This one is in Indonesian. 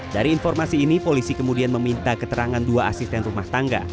dari informasi ini polisi kemudian meminta keterangan dua asisten rumah tangga